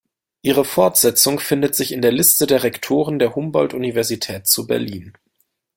Ihre Fortsetzung findet sich in der Liste der Rektoren der Humboldt-Universität zu Berlin.